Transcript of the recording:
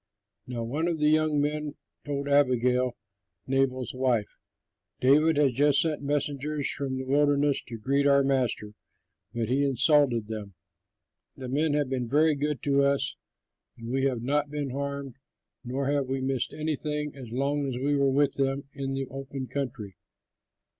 But one of the young men told Abigail, Nabal's wife, "David has just sent messengers from the wilderness to greet our master, but he insulted them. The men have been very good to us and we have not been harmed nor have we missed anything, as long as we were with them in the open country.